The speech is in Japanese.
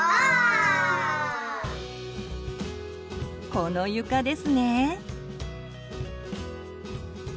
この床ですね。